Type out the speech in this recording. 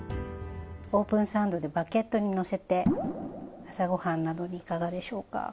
オープンサンドでバゲットにのせて朝ご飯などにいかがでしょうか？